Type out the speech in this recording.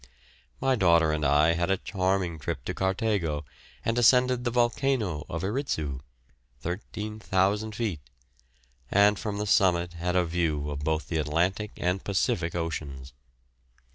My daughter and I had a charming trip to Cartago, and ascended the volcano of Iritzu, 13,000 feet, and from the summit had a view of both the Atlantic and Pacific Oceans.